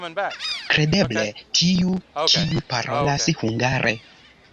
Kredeble tiu, kiu parolas hungare.